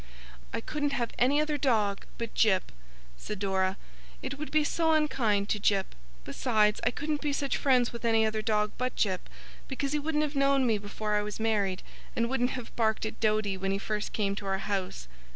'I couldn't have any other dog but Jip,' said Dora. 'It would be so unkind to Jip! Besides, I couldn't be such friends with any other dog but Jip; because he wouldn't have known me before I was married, and wouldn't have barked at Doady when he first came to our house.